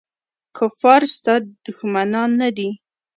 کفار ستا دښمنان نه دي.